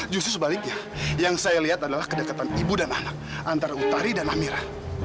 justru sebaliknya yang saya lihat adalah kedekatan ibu dan anak antara utari dan amirah